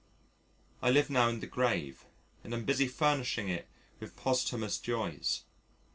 I live now in the grave and am busy furnishing it with posthumous joys.